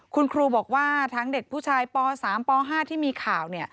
คุณครูบอกว่าทั้งเด็กผู้ชายป๓ป๕ที่มีข่าว